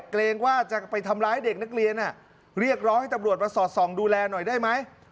เกรงว่าจะไปทำร้ายเด็กนักเรียนเรียกร้องให้ตำรวจมาสอดส่องดูแลหน่อยได้ไหม